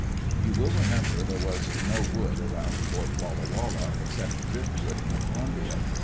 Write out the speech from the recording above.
You will remember there was no wood around Fort Walla Walla, except driftwood in the Columbia.